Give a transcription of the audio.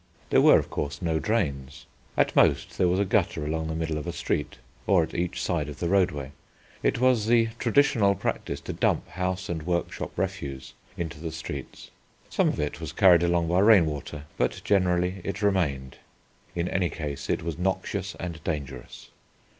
There were, of course, no drains; at most there was a gutter along the middle of a street, or at each side of the roadway. It was the traditional practice to dump house and workshop refuse into the streets. Some of it was carried along by rainwater, but generally it remained: in any case it was noxious and dangerous.